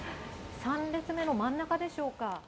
３列目の真ん中でしょうか。